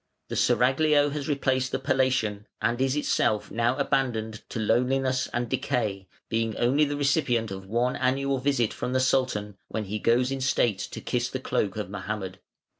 The Seraglio has replaced the Palation, and is itself now abandoned to loneliness and decay, being only the recipient of one annual visit from the Sultan, when he goes in state to kiss the cloak of Mohammed.